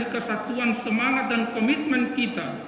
dan gambaran dari kesatuan semangat dan komitmen kita